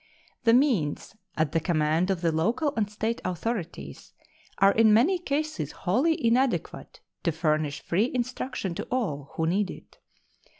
The means at the command of the local and State authorities are in many cases wholly inadequate to furnish free instruction to all who need it.